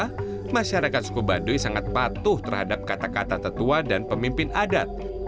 karena masyarakat suku baduy sangat patuh terhadap kata kata tetua dan pemimpin adat